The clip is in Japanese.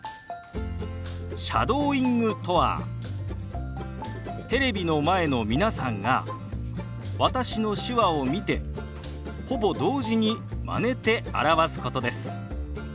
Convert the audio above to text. シャドーイングとはテレビの前の皆さんが私の手話を見てほぼ同時にまねて表すことです。